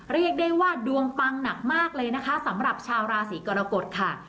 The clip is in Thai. เรียกได้ว่าดวงปังหนักมากเลยนะคะสำหรับชาวราศีกรกฎค่ะ